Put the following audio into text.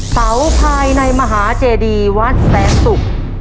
เสาภายในมหาเจดีวัดแสนศุกร์